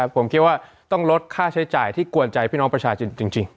ผมคิดว่าต้องลดค่าใช้จ่ายที่กวนใจพี่น้องประชาชนจริง